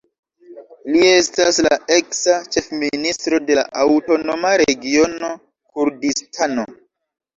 Li estas la eksa ĉefministro de la Aŭtonoma Regiono Kurdistano.